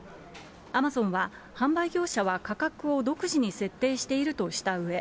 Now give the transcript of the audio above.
アマゾンは販売業者は価格を独自に設定しているとしたうえ、